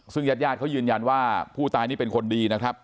ซึ่งญาติญาติเขายืนยันว่าผู้ตายนี่เป็นคนดีนะครับ